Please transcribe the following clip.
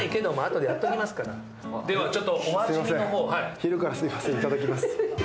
昼からすいません、いただきます。